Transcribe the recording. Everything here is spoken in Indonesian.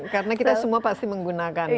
karena kita semua pasti menggunakan ya